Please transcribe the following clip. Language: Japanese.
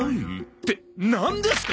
ってなんですか？